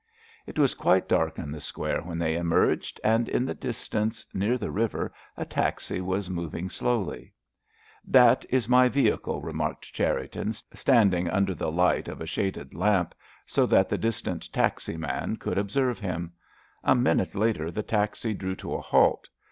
It was quite dark in the square when they emerged, and in the distance, near the river, a taxi was moving slowly. "That is my vehicle," remarked Cherriton, standing under the light of a shaded lamp, so that the distant taxi man could observe them. A minute later the taxi drew to a halt.